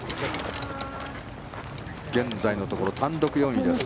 現在のところ単独４位です